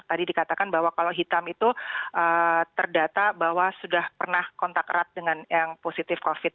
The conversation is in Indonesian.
tadi dikatakan bahwa kalau hitam itu terdata bahwa sudah pernah kontak erat dengan yang positif covid